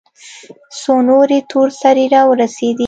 څو نورې تور سرې راورسېدې.